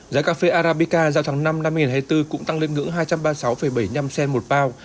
giá cà phê arabica giao tháng năm năm hai nghìn hai mươi bốn cũng tăng lên ngưỡng hai trăm ba mươi sáu bảy mươi năm cent một bao